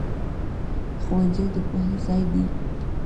ښوونځی د پوهې ځای دی